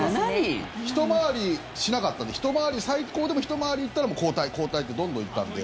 ひと回りしなかったんで最高でも、ひと回り行ったら交代、交代ってどんどん行ったんで。